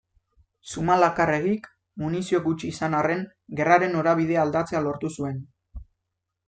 Zumalakarregik, munizio gutxi izan arren, gerraren norabidea aldatzea lortu zuen.